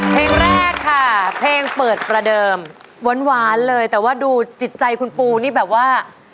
เพลงแรกค่ะเพลงเปิดประเดิมหวานเลยแต่ว่าดูจิตใจคุณปูนี่แบบว่า